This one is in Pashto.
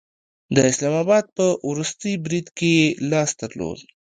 د اسلام آباد په وروستي برید کې یې لاس درلود